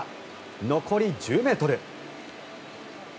残り１０ｍ。